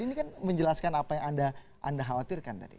ini kan menjelaskan apa yang anda khawatirkan tadi